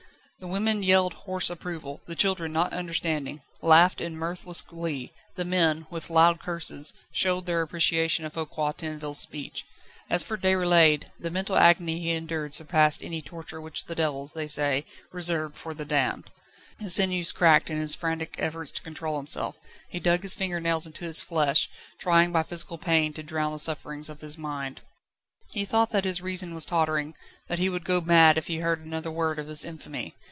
The women yelled hoarse approval; the children, not understanding, laughed in mirthless glee; the men, with loud curses, showed their appreciation of Foucquier Tinville's speech. As for Déroulède, the mental agony he endured surpassed any torture which the devils, they say, reserve for the damned. His sinews cracked in his frantic efforts to control himself; he dug his finger nails into his flesh, trying by physical pain to drown the sufferings of his mind. He thought that his reason was tottering, that he would go mad if he heard another word of this infamy.